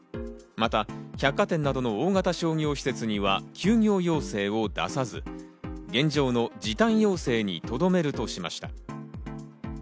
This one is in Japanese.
また百貨店などの大型商業施設には休業要請を出さず、現状の時短要請にとどめるとしました。